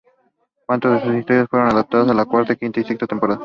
Cuatro de sus historias fueron adaptadas en la Cuarta, Quinta y Sexta Temporada.